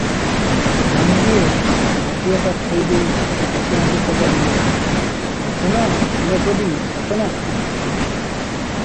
ମହାନ୍ତିଏ ବାଟିଆଟା ଥୋଇ ଦେଇ ହସି ହସି ପଚାରିଲେ, "ସତ ନା ଲୋ ପଦୀ, ସତ ନା?"